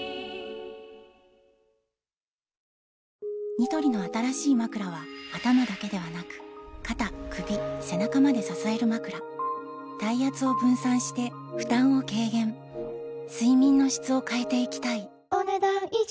ニトリの新しいまくらは頭だけではなく肩・首・背中まで支えるまくら体圧を分散して負担を軽減睡眠の質を変えていきたいお、ねだん以上。